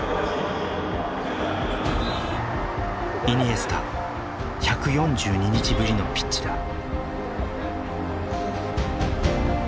イニエスタ１４２日ぶりのピッチだ。